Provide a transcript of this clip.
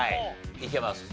いけます。